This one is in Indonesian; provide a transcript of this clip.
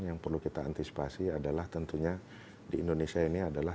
yang perlu kita antisipasi adalah tentunya di indonesia ini adalah